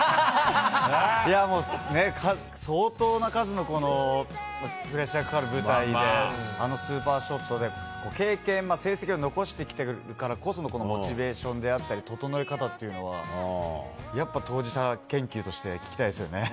いやもう、相当な数のこのプレッシャーかかる舞台で、あのスーパーショットで、経験、成績を残してきているからこそのモチベーションであったり、整え方っていうのは、やっぱ当事者研究として聞きたいですよね。